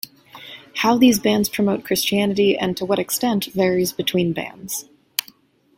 How these bands promote Christianity, and to what extent, varies between bands.